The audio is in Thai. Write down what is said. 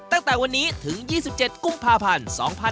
ตั้งแต่วันนี้ถึง๒๗กุมภาพันธ์๒๕๖๒